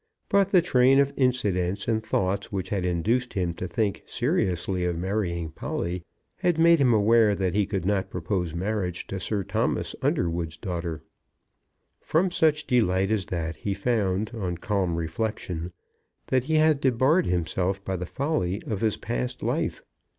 But the train of incidents and thoughts which had induced him to think seriously of marrying Polly, had made him aware that he could not propose marriage to Sir Thomas Underwood's daughter. From such delight as that he found, on calm reflection, that he had debarred himself by the folly of his past life.